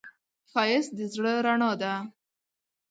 ښایست د زړه رڼا ده